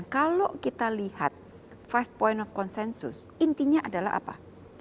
kalau kita lihat lima point of consensus intinya adalah apa